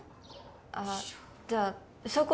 あっじゃあ昇降